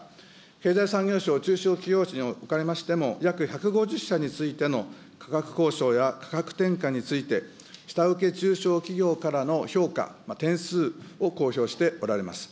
経済産業省、中小企業庁におかれましても、約１５０社についての価格交渉や価格転嫁について、下請け中小企業からの評価、点数を公表しておられます。